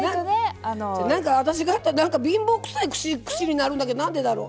なんか私がやったら貧乏くさい串になるんだけどなんでだろう？